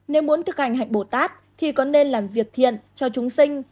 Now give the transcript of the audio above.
nếu muốn thực hành hạch bồ tát thì có nên làm việc thiện cho chúng sinh